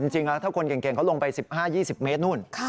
จริงถ้าคนเก่งเขาลงไป๑๕๒๐เมตรนู่น